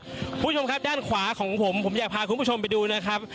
คุณผู้ชมครับด้านขวาของผมผมอยากพาคุณผู้ชมไปดูนะครับ